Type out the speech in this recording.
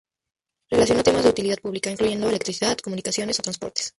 Relacionó temas de utilidad pública, incluyendo electricidad, comunicaciones o transportes.